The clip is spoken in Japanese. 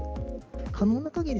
可能なかぎり